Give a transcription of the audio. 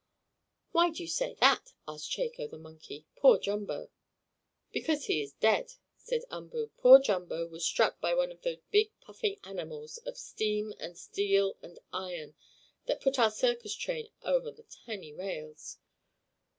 "Why do you say that?" asked Chako the monkey. "Poor Jumbo?" "Because he is dead," said Umboo. "Poor Jumbo was struck by one of those big puffing animals, of steam and steel and iron, that pull our circus train over the shiny rails."